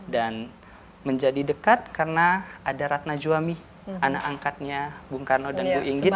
menjadi dekat karena ada ratna juwami anak angkatnya bung karno dan bu inggit